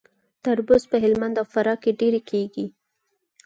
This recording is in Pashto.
تربوز په هلمند او فراه کې ډیر کیږي.